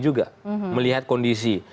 juga melihat kondisi